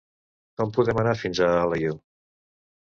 Com podem anar fins a Alaior?